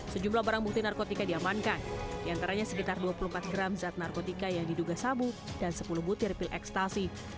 sejumlah barang bukti narkotika diamankan diantaranya sekitar dua puluh empat gram zat narkotika yang diduga sabu dan sepuluh butir pil ekstasi